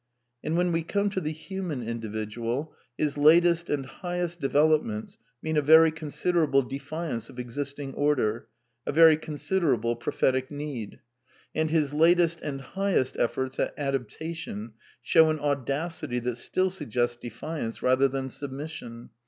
And when we come to the human individual, his latest and highest developments mean a very considerable defiance of existing order, a very considerable prophetic need. And his latest and highest efforts at adaptation show an audacity that still suggests defiance rather than submission.